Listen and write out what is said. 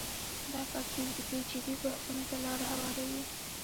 دا کار تیوریکي جدي بحثونو ته لاره هواروي.